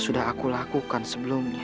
sudah aku lakukan sebelumnya